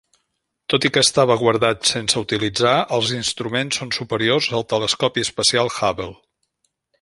Tot i que estava guardat sense utilitzar, els instruments són superiors al telescopi espacial Hubble.